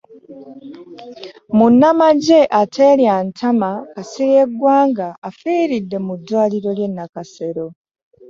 Munnamagye ateerya ntama Kasirye Ggwanga afiiridde mu ddwaliro ly'e Nakasero